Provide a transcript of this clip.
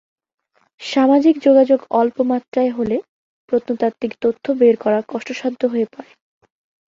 সামাজিক যোগাযোগ অল্প মাত্রায় হলে প্রত্নতাত্ত্বিক তথ্য বের করা কষ্টসাধ্য হয়ে পরে।